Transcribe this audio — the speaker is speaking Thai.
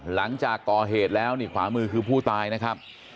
หลังจากก่อเหตุแล้วนี่ขวามือคือผู้ตายนะครับ